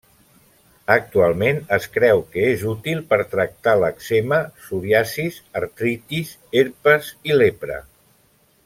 Actualment es creu que és útil per tractar l'èczema, psoriasis, artritis, herpes, i lepra.